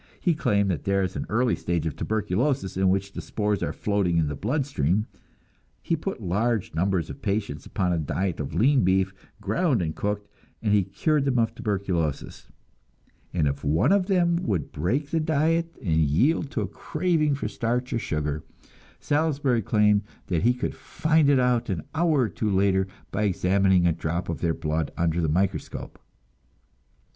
He claimed that there is an early stage of tuberculosis, in which the spores are floating in the blood stream; he put large numbers of patients upon a diet of lean beef, ground and cooked, and he cured them of tuberculosis, and if one of them would break the diet and yield to a craving for starch or sugar, Salisbury claimed that he could find it out an hour or two later by examining a drop of their blood under the microscope.